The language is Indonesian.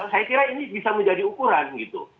saya kira ini bisa menjadi ukuran gitu